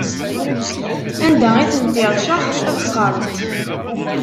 Anda i tent-iṛcex, ad qqaṛent.